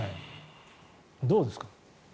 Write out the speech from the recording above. どうですか？